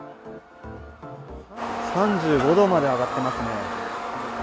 ３５度まで上がってますね。